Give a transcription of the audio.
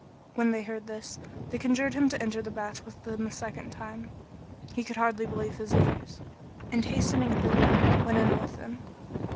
When they heard this, they conjured him to enter the bath with them a second time. He could hardly believe his ears and hastening thither, went in with them.